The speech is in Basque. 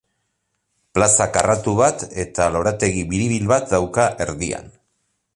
Plaza karratu bat eta lorategi biribil bat dauka erdian.